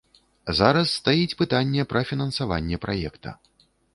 Зараз стаіць пытанне пра фінансаванне праекта.